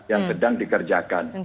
yang sedang dikerjakan